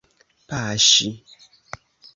paŝi